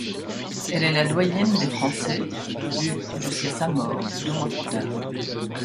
Elle est la doyenne des Français du jusqu'à sa mort deux mois plus tard.